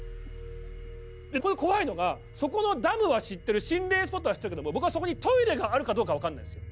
でこれ怖いのがそこのダムは知ってる心霊スポットは知ってるけども僕はそこにトイレがあるかどうかわかんないんですよ。